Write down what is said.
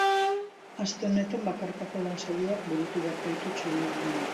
Aste honetan, bakarkako lan saioak burutu beharko ditu txuri-urdinak.